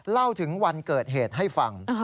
เล่าถึงวันเกิดเหตุให้ฟัง